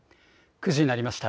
９時になりました。